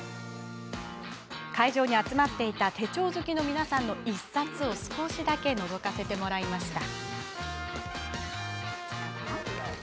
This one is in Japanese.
会場に集まっていた手帳好きの皆さんの１冊を少しだけのぞかせてもらいました。